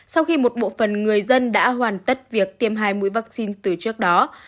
sau khi một bộ phần người dân đã hoàn tất việc tiêm hai mũi vaccine từ trước đó